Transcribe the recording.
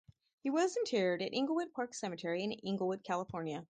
He was interred at Inglewood Park Cemetery in Inglewood, California.